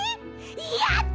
やった！